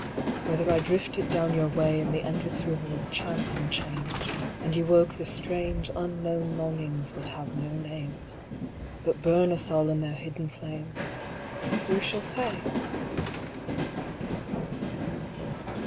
Whether I drifted down your way In the endless River of Chance & Change, And you woke the strange Unknown longings that have no names, But burn us all in their hidden flames, Who shall say?